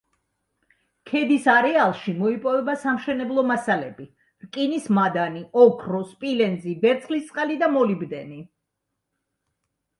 ქედის არეალში მოიპოვება სამშენებლო მასალები, რკინის მადანი, ოქრო, სპილენძი, ვერცხლისწყალი და მოლიბდენი.